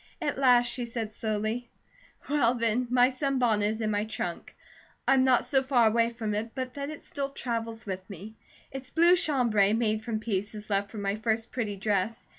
At last she said slowly: "Well, then, my sunbonnet is in my trunk. I'm not so far away from it but that it still travels with me. It's blue chambray, made from pieces left from my first pretty dress.